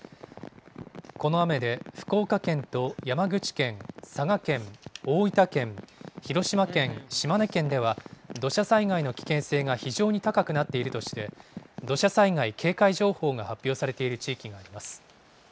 この雨で福岡県と山口県、佐賀県、大分県、広島県、島根県では、土砂災害の危険性が非常に高くなっているとして、土砂災害警戒情報が発表されている地域があります。